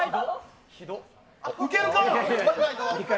ウケるかぃ！